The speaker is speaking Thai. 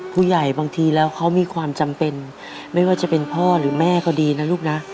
บางทีแล้วเขามีความจำเป็นไม่ว่าจะเป็นพ่อหรือแม่ก็ดีนะลูกนะ